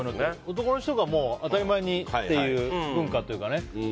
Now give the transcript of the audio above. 男の人が当たり前にっていう文化というかね。